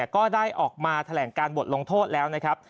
ก็ได้ออกมาแถลงการบทลงโทษแล้วนะครับ